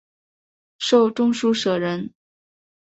授中书舍人。